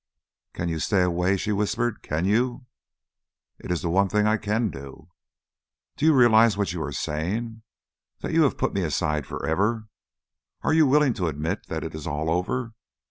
"Can you stay away?" she whispered. "Can you?" "It is the one thing I can do." "Do you realize what you are saying? that you have put me aside for ever? Are you willing to admit that it is all over?